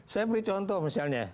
saya beri contoh misalnya